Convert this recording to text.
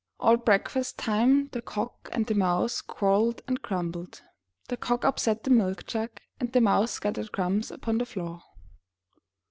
All breakfast time the Cock and the Mouse quar relled and grumbled. The Cock upset the milk jug, and the Mouse scattered crumbs upon the floor.